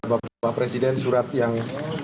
bapak presiden surat yang